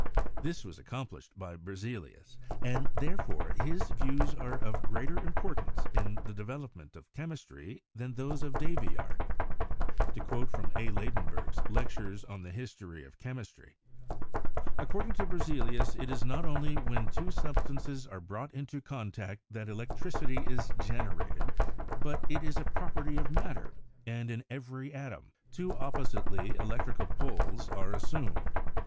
This was accomplished by Berzelius, and therefore his views are of greater importance in the development o£ chemistry than those of Davy are. To quote from A. Ladenburg's "Lectures on the History of Chemistry" : "According to Berzelius, it is not only when two sub stances are brought into contact that electricity is gener ated, but it is a property of matter; and in every atom, two oppositely electrical poles are assumed.